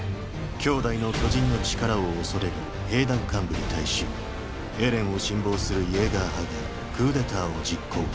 兄弟の巨人の力を恐れる兵団幹部に対しエレンを信望するイェーガー派がクーデターを実行